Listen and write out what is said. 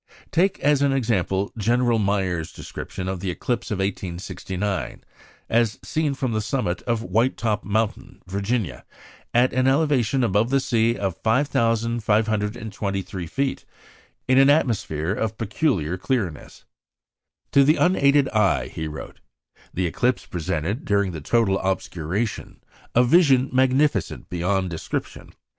Take as an example General Myer's description of the eclipse of 1869, as seen from the summit of White Top Mountain, Virginia, at an elevation above the sea of 5,523 feet, in an atmosphere of peculiar clearness. "To the unaided eye," he wrote, "the eclipse presented, during the total obscuration, a vision magnificent beyond description.